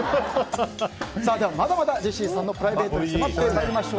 まだまだジェシーさんのプライベートに迫ります。